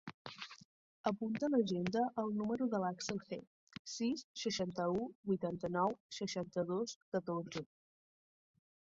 Apunta a l'agenda el número de l'Axel He: sis, seixanta-u, vuitanta-nou, seixanta-dos, catorze.